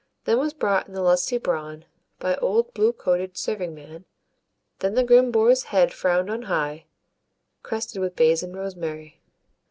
Then was brought in the lusty brawn, By old blue coated serving man; Then the grim boar's head frown'd on high, Crested with bays and rosemary.